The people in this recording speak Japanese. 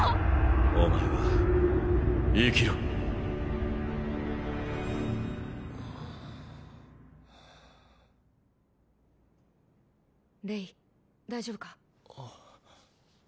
お前は生きろレイ大丈夫か？